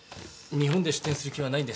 日本で出店する気はないんです。